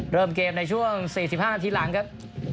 เริ่มเกมในช่วง๔๕นาทีหลังครับ